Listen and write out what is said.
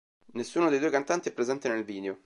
Nessuno dei due cantanti è presente nel video.